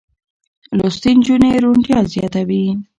لوستې نجونې روڼتيا زياتوي.